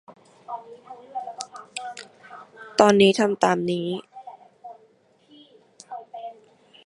ตอนนี้ทำตามนี้